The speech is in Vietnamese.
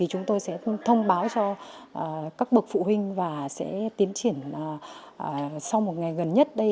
chúng tôi sẽ thông báo cho các bậc phụ huynh và sẽ tiến triển sau một ngày gần nhất đây